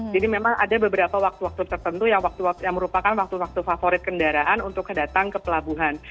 jadi memang ada beberapa waktu waktu tertentu yang merupakan waktu waktu favorit kendaraan untuk datang ke pelabuhan